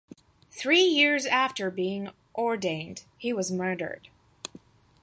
Three years after being ordained, he was murdered.